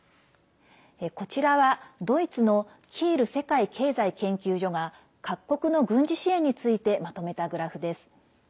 こちらは、ドイツのキール世界経済研究所が各国の軍事支援についてまとめたグラフです。